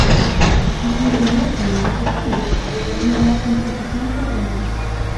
Disminuida en niños pequeños y en la insuficiencia renal.